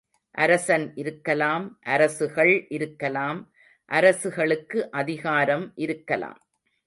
அரசன் இருக்கலாம் அரசுகள் இருக்கலாம், அரசுகளுக்கு அதிகாரம் இருக்கலாம்.